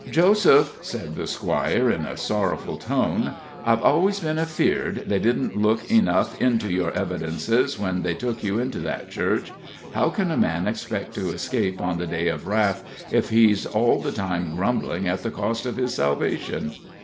"Joseph," said the Squire, in a sorrowful tone, "I've always been afeard they didn't look enough into your evidences when they took you into that church. How can a man expect to escape on the day of wrath if he's all the time grumbling at the cost of his salvation?